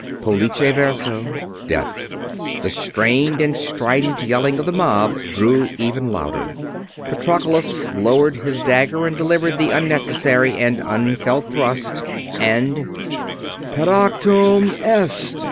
Pollice verso. Death. The strained and strident yelling of the mob grew even louder. Patroclus lowered his dagger and delivered the unnecessary and unfelt thrust; and "Peractum est!"